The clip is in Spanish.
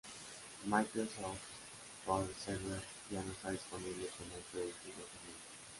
Microsoft Office Forms Server ya no está disponible como un producto independiente.